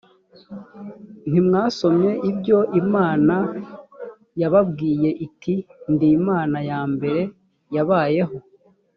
ntimwasomye ibyo imana yababwiye iti ndi imana ya mbere yabayeho